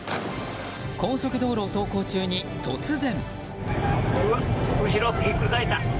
高速道路を走行中に突然。